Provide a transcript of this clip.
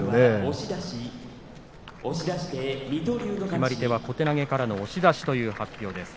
決まり手は小手投げからの押し出しという発表です。